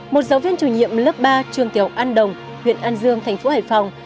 một giáo viên chủ nhiệm lớp ba trường tiểu an đồng huyện an dương thành phố hải phòng